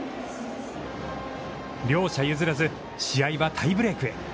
両者譲らず、試合はタイブレークへ。